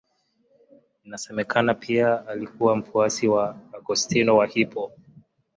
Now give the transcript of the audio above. Inasemekana pia alikuwa mfuasi wa Augustino wa Hippo.